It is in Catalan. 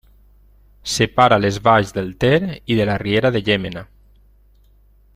Separa les valls del Ter i de la Riera de Llémena.